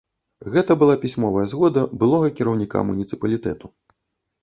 Гэта была пісьмовая згода былога кіраўніка муніцыпалітэту.